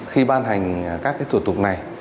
khi ban hành các thủ tục này